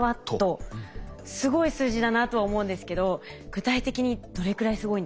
すごい数字だなとは思うんですけど具体的にどれくらいすごいんですか？